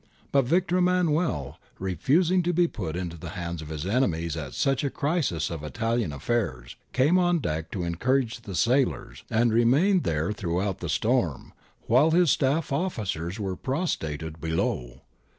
But Victor Emmanuel, refusing to be put into the hands of his enemies at such a crisis of Italian affairs, came on deck to encourage the sailors, and remained there throughout the storm, while his staff officers were prostrated below.